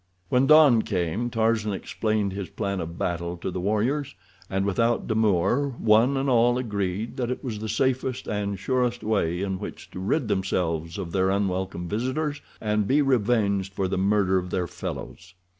When dawn came Tarzan explained his plan of battle to the warriors, and without demur one and all agreed that it was the safest and surest way in which to rid themselves of their unwelcome visitors and be revenged for the murder of their fellows.